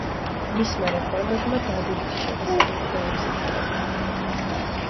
მისმა რეფორმებმა დადებითი შეფასებები დაიმსახურა.